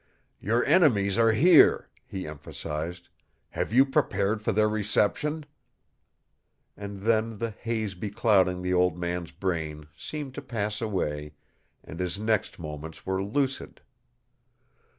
"Your enemies are here," he emphasized. "Have you prepared for their reception?" And then the haze beclouding the old man's brain seemed to pass away and his next moments were lucid.